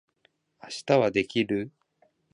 明日はできる？